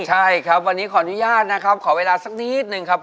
ใช่ครับวันนี้ขออนุญาตนะครับขอเวลาสักนิดนึงครับ